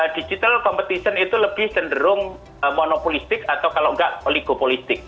digital competition itu lebih cenderung monopolistik atau kalau enggak oligopolistik